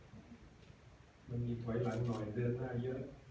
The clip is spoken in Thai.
มันมีถอยหลังหน่อยเดินได้เยอะ